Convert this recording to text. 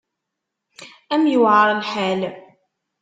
Ad m-yuεer lḥal.